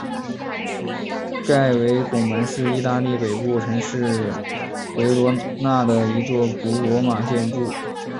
盖维拱门是意大利北部城市维罗纳的一座古罗马建筑。